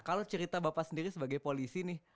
kalau cerita bapak sendiri sebagai polisi nih